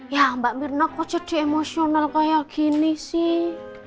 ya mbak mirna kok jadi emosional kayak gini sih